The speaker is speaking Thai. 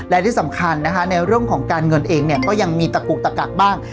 และที่สำคัญนะคะในเรื่องของการเงินเองเนี่ยก็ยังมีตะกุกตะกักบ้าง